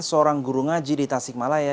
seorang guru ngaji di tasikmalaya